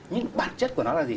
nhưng bản chất của nó là gì